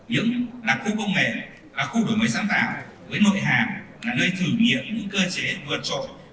những đặc khu công nghệ và khu đổi mới sáng tạo với nội hàng là nơi thử nghiệm những cơ chế vượt trội